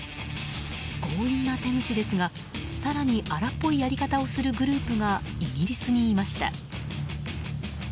強引な手口ですが更に荒っぽいやり方をするグループが、イギリスにいました。